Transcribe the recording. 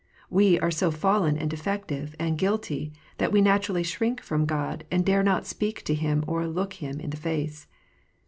We are so fallen, and defective, and guilty, that we naturally shrink from God, and dare not speak to Him or look Him in the face.